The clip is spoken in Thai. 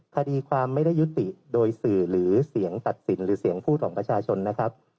คดีความไม่ได้ยุติโดยสื่อหรือเสียงตัดสินหรือเสียงพูดของประชาชนนะครับ